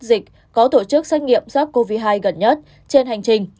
dịch có tổ chức xét nghiệm sars cov hai gần nhất trên hành trình